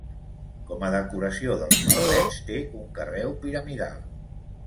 Com a decoració dels merlets, té un carreu piramidal.